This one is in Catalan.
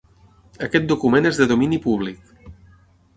Aquest document és de domini públic.